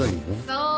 そう！